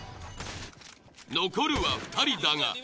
残るは２人だが。